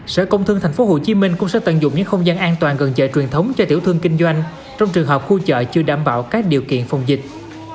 sở công thương tp hcm cũng sẽ tận dụng những không gian an toàn gần chợ truyền thống trong trường hợp khu chợ chưa đảm bảo các điều kiện phòng dịch